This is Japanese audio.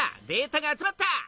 データが集まった。